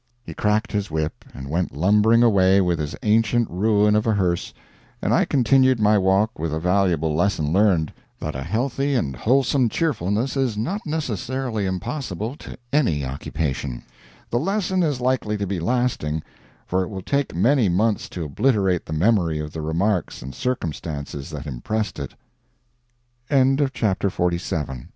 He cracked his whip and went lumbering away with his ancient ruin of a hearse, and I continued my walk with a valuable lesson learned that a healthy and wholesome is not necessarily impossible to any occupation. The lesson is likely to be lasting, for it will take many months to obliterate the memory of the remarks and circumstances that impressed it. CONCERNING CHAMBERMAIDS Against all chambermaids, of whatsoever age or nationality, I